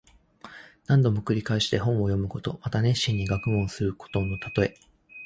何度も繰り返して本を読むこと。また熱心に学問することのたとえ。